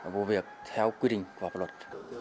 vụ việc theo quy định của hợp luật